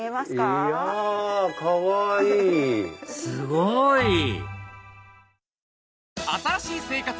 すごい！